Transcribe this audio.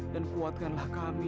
dan kuatkanlah kami